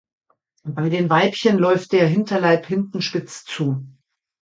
Bei den Weibchen läuft der Hinterleib hinten spitz zu.